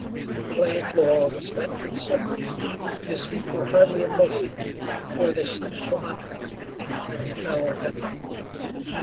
The clay floor was wet and slippery; his feet were hardly in motion before they slipped from under him and he fell headlong.